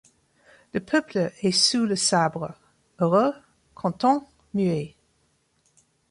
Le peuple est sous le sabre, heureux, content, muet ;